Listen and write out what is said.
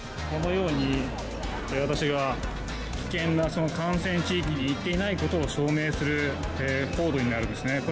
このように、私が危険な感染地域に行っていないことを証明するコードになるんですね。